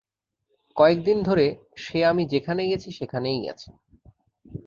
কয়েকদিন ধরে, সে আমি যেখানে গেছি সেখানেই গেছে।